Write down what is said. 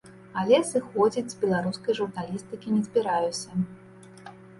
Але сыходзіць з беларускай журналістыкі не збіраюся.